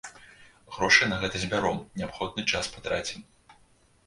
Грошы на гэта збяром, неабходны час патрацім.